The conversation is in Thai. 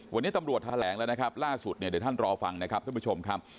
วันนี้ตำรวจแถลงแล้วนะครับล่าสุดเนี่ยเดี๋ยวท่านรอฟังนะครับท่านผู้ชมครับ